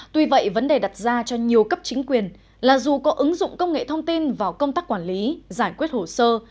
tuy vậy vấn đề đặt ra cho nhiều cấp chính quyền là dù có ứng dụng công nghệ thông tin vào công tác quản lý giải quyết hồ sơ